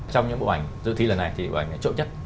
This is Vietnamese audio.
trong những bộ ảnh dự thi lần này thì bộ ảnh này trộn nhất